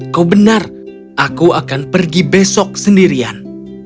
kau benar aku akan pergi besok sendirian